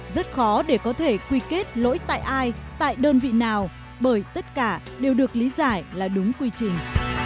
rất khó để có thể quy kết lỗi tại ai tại đơn vị nào bởi tất cả đều được lý giải là đúng quy trình